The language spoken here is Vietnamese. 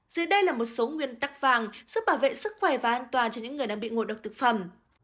dưới đây là một số nguyên tắc vàng giúp bảo vệ sức khỏe và an toàn cho những người đang bị ngộ độc thực phẩm